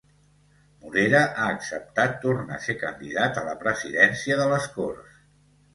Morera ha acceptat tornar a ser candidat a la presidència de les Corts